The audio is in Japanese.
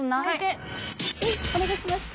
お願いします。